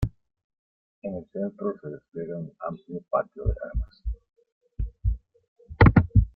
En el centro se despliega un amplio Patio de Armas.